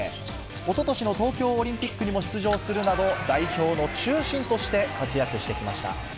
おととしの東京オリンピックにも出場するなど、代表の中心として活躍してきました。